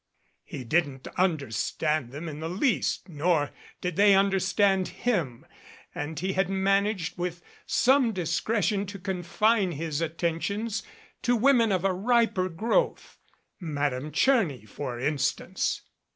He didn't understand them in the least, nor did they understand him, and he had managed with some discretion to confine his attentions to women of a riper growth. Madame Tcherny, for instance